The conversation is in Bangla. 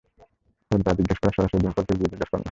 তোর যা জিজ্ঞেস করার সরাসরি ডিম্পলকে গিয়ে জিজ্ঞেস কর না!